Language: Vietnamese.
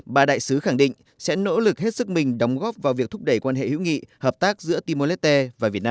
bà đại sứ khẳng định sẽ nỗ lực hết sức mình đóng góp vào việc thúc đẩy quan hệ hữu nghị hợp tác giữa timor leste và việt nam